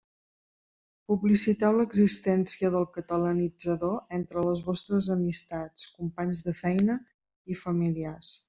Publiciteu l'existència del Catalanitzador entre les vostres amistats, companys de feina i familiars.